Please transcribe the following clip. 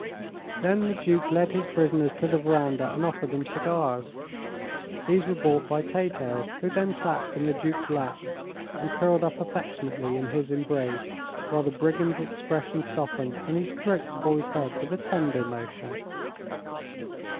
Then the Duke led his prisoners to the veranda and offered them cigars. These were brought by Tato, who then sat in the duke's lap and curled up affectionately in his embrace, while the brigand's expression softened and he stroked the boy's head with a tender motion.